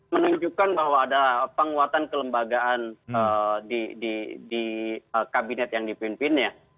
menunjukkan bahwa ada penguatan kelembagaan di kabinet yang dipimpinnya